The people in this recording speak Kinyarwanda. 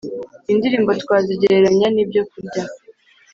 Indirimbo twazigereranya n’ibyokurya